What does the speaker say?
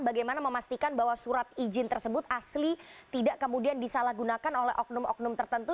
bagaimana memastikan bahwa surat izin tersebut asli tidak kemudian disalahgunakan oleh oknum oknum tertentu